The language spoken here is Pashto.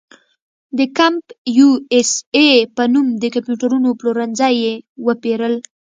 د کمپ یو اس اې په نوم د کمپیوټرونو پلورنځي یې وپېرل.